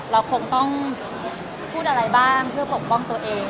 เราคงต้องพูดอะไรบ้างเพื่อปกป้องตัวเอง